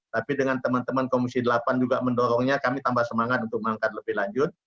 tapi dengan teman teman komisi delapan juga mendorongnya kami tambah semangat untuk mengangkat lebih lanjut